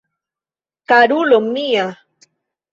Karulo mia!